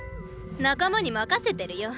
仲間に任せてるよ。